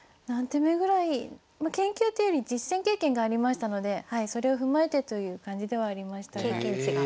あ研究というより実戦経験がありましたのでそれを踏まえてという感じではありましたが。